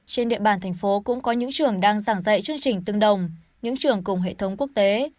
trên địa bàn thành phố cũng có những trường đang giảng dạy chương trình tương đồng những trường cùng hệ thống quốc tế